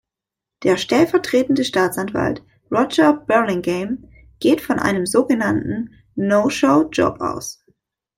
Der stellvertretende Staatsanwalt "Roger Burlingame" geht von einem sogenannten „no-show Job“ aus.